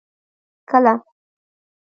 کله.